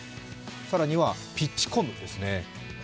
更には、ピッチコムです。